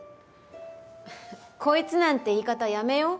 「こいつ」なんて言い方やめよう。